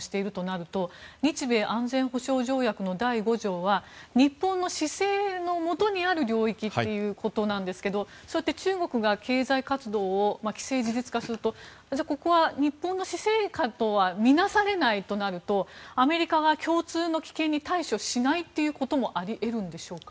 そういうブイを作って調査もしているとなると日米安全保障条約の第５条は日本の施政のもとにある領域っていうことなんですがそうやって中国が経済活動を既成事実化するとここは日本の施政下とは見なされないとなるとアメリカが共通の危険に対処しないっていうこともあり得るんでしょうか？